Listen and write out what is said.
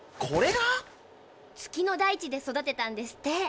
これが⁉月の大地で育てたんですって。